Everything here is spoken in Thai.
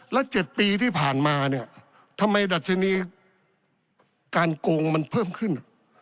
แล้ว๗ปีที่ผ่านมาเนี่ยทำไมดัชนีการโกงมันเพิ่มขึ้น